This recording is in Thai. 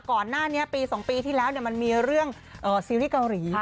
ก่อนหน้านี้ปี๒ปีที่แล้วมันมีเรื่องซีรีส์เกาหลี